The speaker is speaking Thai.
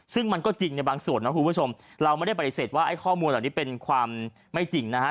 ซึ่งมันก็จริงในบางส่วนนะคุณผู้ชมเราไม่ได้ปฏิเสธว่าไอ้ข้อมูลเหล่านี้เป็นความไม่จริงนะฮะ